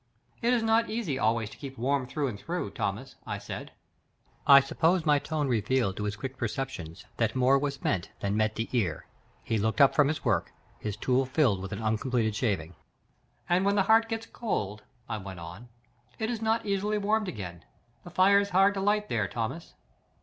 "It is not easy always to keep warm through and through, Thomas," I said. I suppose my tone revealed to his quick perceptions that "more was meant than met the ear." He looked up from his work, his tool filled with an uncompleted shaving. "And when the heart gets cold," I went on, "it is not easily warmed again. The fire's hard to light there, Thomas."